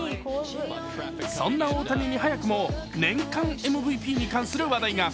そんな大谷に早くも年間ＭＶＰに関する話題が。